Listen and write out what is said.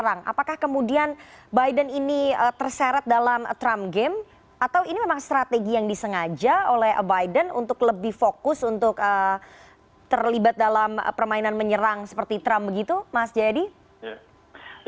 apakah kemudian biden ini terseret dalam trump game atau ini memang strategi yang disengaja oleh biden untuk lebih fokus untuk terlibat dalam permainan menyerang seperti trump begitu mas jayadi